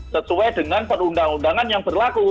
sesuai dengan perundang undangan yang berlaku